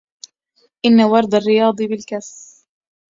ان ورد الرياض بالكف